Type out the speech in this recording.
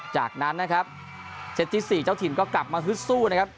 จากนั้นนะครับเซตที่๔เจ้าถิ่นก็กลับมาฮึดสู้นะครับ